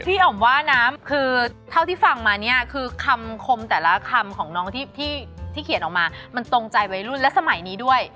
อ๋อมว่านะคือเท่าที่ฟังมาเนี่ยคือคำคมแต่ละคำของน้องที่เขียนออกมามันตรงใจวัยรุ่นและสมัยนี้ด้วย